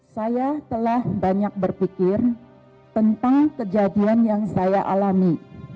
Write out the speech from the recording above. saya telah banyak berpikir tentang kejadian yang saya alami